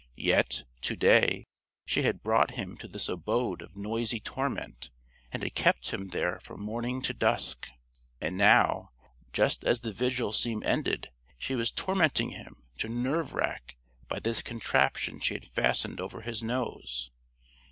Yet, to day, she had brought him to this abode of noisy torment, and had kept him there from morning to dusk. And now just as the vigil seemed ended she was tormenting him, to nerve rack, by this contraption she had fastened over his nose.